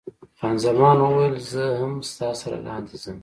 خان زمان وویل، زه هم ستا سره لاندې ځم.